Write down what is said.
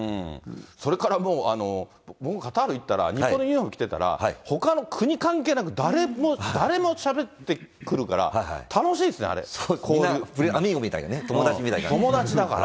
それからもう、僕、カタール行ったら、日本のユニホーム着てたら、ほかの国関係なく、誰もしゃべってくるから、アミーゴみたいなね、友達だから。